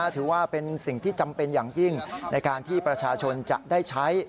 ถือว่าเป็นสิ่งที่จำเป็นอย่างยิ่งในการที่ประชาชนจะได้ใช้